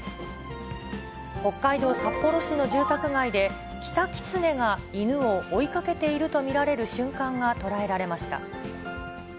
北海道札幌市の住宅街で、キタキツネが犬を追いかけていると見られる瞬間が捉えられました。